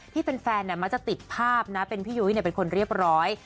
แฟนมักจะติดภาพนะเป็นพี่ยุ้ยเป็นคนเรียบร้อย